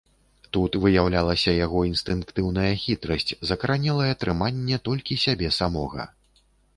Тут выяўлялася яго інстынктыўная хітрасць, закаранелае трыманне толькі сябе самога.